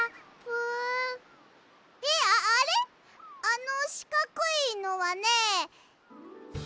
あのしかくいのはねえっとね。